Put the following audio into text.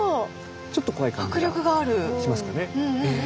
ちょっと怖い感じがしますかね？